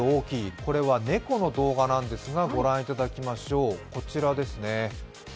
これは猫の動画なんですがご覧いただきましょう。